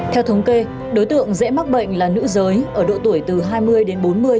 theo thống kê đối tượng dễ mắc bệnh là nữ giới ở độ tuổi từ hai mươi đến bốn mươi